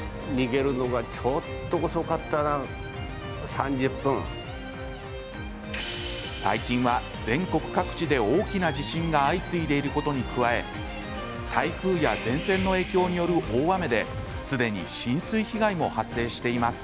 右右最近は全国各地で大きな地震が相次いでいることに加え台風や前線の影響による大雨ですでに浸水被害も発生しています。